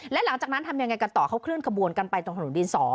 และหลังจากนั้นทำยังไงกันต่อเขาเคลื่อนขบวนกันไปตรงถนนดิน๒